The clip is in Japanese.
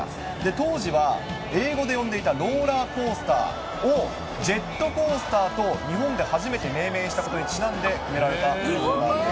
当時は英語で呼んでいたローラーコースターを、ジェットコースターと日本で初めて命名したことにちなんで決められたそうなんです。